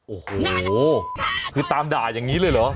โอ้โหคือตามด่าอย่างนี้เลยเหรอ